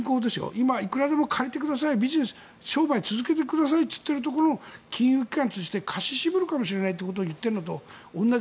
今、いくらでも借りてください商売続けてくださいと言っているところの金融機関を通じて貸し渋るかもしれないと言っているのと同じ。